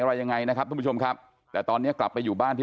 อะไรยังไงนะครับทุกผู้ชมครับแต่ตอนเนี้ยกลับไปอยู่บ้านที่